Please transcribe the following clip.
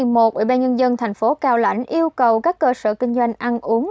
một ủy ban nhân dân thành phố cao lãnh yêu cầu các cơ sở kinh doanh ăn uống